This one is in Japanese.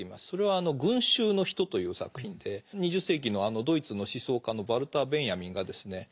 それは「群衆の人」という作品で２０世紀のドイツの思想家のヴァルター・ベンヤミンがですね